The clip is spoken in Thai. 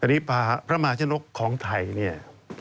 อันนี้พระมหาชนกของไทย